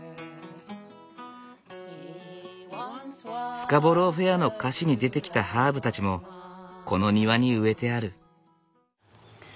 「スカボロー・フェア」の歌詞に出てきたハーブたちもこの庭に植えてある。